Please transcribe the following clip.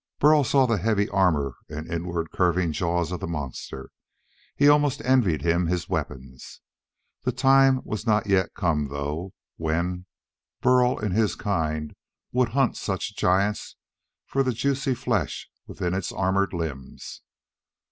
Burl saw the heavy armor and inward curving jaws of the monster. He almost envied him his weapons. The time was not yet come, though, when Burl and his kind would hunt such giants for the juicy flesh within its armored limbs.